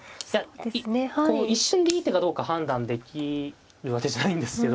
こう一瞬でいい手かどうか判断できるわけじゃないんですけど。